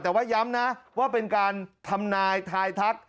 แต่ว่าย้ำนะว่าเป็นการทำนายทายทัก